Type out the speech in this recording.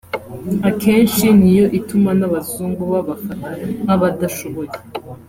akenshi niyo ituma n’Abazungu babafata nk’abadashoboye